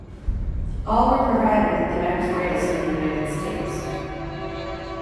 All were provided at the next race in the United States.